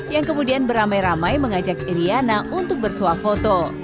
yang kemudian beramai ramai mengajak iryana untuk bersuah foto